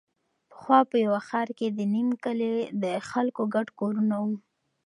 پخوا په یوه ښاره کې د نیم کلي د خلکو ګډ کورونه وو.